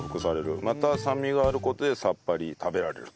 また酸味がある事でさっぱり食べられると。